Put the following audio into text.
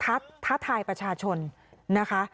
ตำรวจทัดทายประชาชนนะคะ